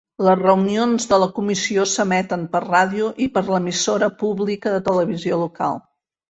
Les reunions de la Comissió s'emeten per radio i per l'emissora pública de televisió local.